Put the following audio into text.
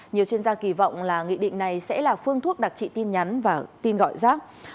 nhiều chuyên gia kỳ vọng là nghị định này sẽ là phương thuốc đặc trị tin nhắn và tin gọi rác